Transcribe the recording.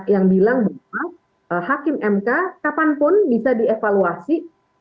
yang bilang bahwa hakim mk kapanpun bisa dievaluasi